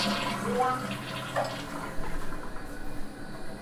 Hwan.